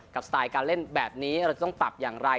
สไตล์การเล่นแบบนี้เราจะต้องปรับอย่างไร